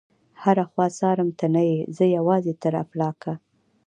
هره خوا څارم ته نه يې، زه یوازي تر افلاکه